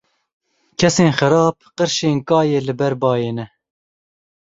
Kesên xerab, qirşên kayê li ber bayê ne.